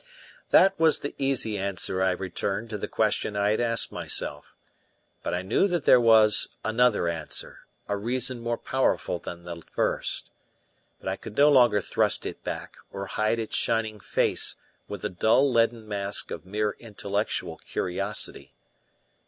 That was the easy answer I returned to the question I had asked myself. But I knew that there was another answer a reason more powerful than the first. And I could no longer thrust it back, or hide its shining face with the dull, leaden mask of mere intellectual curiosity.